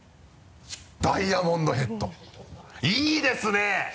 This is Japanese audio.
「ダイヤモンドヘッド」いいですね！